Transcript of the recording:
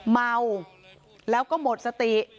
เมาแล้วก็หมดสติ